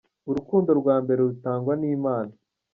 Urukundo rwambere rutangwa ni Mana.